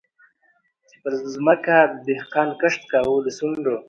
چي پر مځکه دهقان کښت کاوه د سونډو